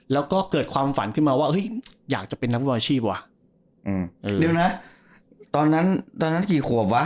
แล้วก็เกิดความฝันขึ้นมาว่าด้วยเยี่ยดนะตอนนั้นกี่ขวบว่ะ